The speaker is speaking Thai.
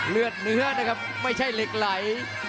เลือดเนื้อนะครับไม่ใช่เหล็กไหล